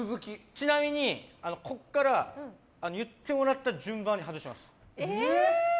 ちなみに、ここから言ってもらった順番で外します。